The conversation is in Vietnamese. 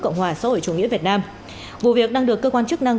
cộng hòa xã hội chủ nghĩa việt nam vụ việc đang được cơ quan chức năng